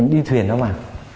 đi thuyền đó mà